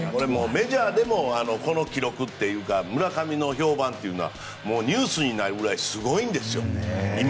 メジャーでもこの記録っていうか村上の評判というのはニュースになるくらいすごいんですよ、今。